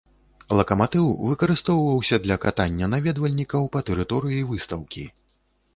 Лакаматыў выкарыстоўваўся для катання наведвальнікаў па тэрыторыі выстаўкі.